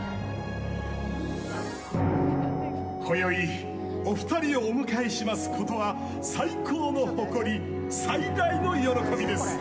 こよいお二人をお迎えすることは最高の誇り、最大の喜びです。